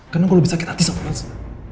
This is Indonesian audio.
karena gue lebih sakit hati sama elsa